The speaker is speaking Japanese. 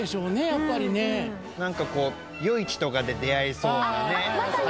やっぱりね何かこう夜市とかで出会えそうなね